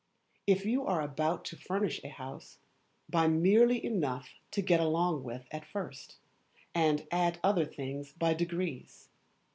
If you are about to Furnish a House, buy merely enough to get along with at first, and add other things by degrees.